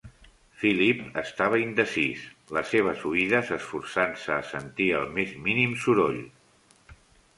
Philip estava indecís, les seves oïdes esforçant-se a sentir el més mínim soroll.